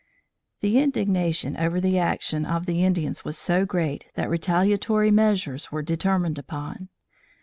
The indignation over the action of the Indians was so great that retaliatory measures were determined upon.